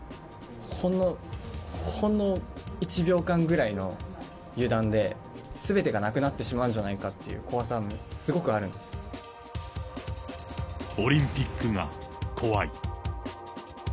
ほんの、ほんの１秒間くらいの油断で、すべてがなくなってしまうんじゃないかっていう怖さがすごくあるオリンピックが怖い。